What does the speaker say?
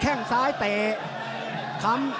แข้งซ้ายเตะ